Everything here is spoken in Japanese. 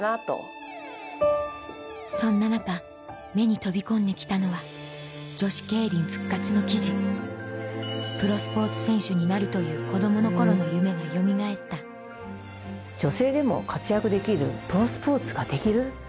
そんな中目に飛び込んで来たのは女子競輪復活の記事プロスポーツ選手になるという子供の頃の夢がよみがえった女性でも活躍できるプロスポーツができる。